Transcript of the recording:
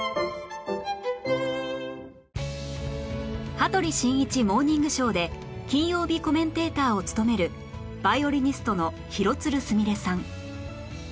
『羽鳥慎一モーニングショー』で金曜日コメンテーターを務めるヴァイオリニストの廣津留すみれさん